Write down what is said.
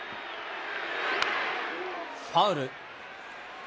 ファウル。